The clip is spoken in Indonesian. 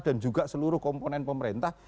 dan juga seluruh komponen pemerintah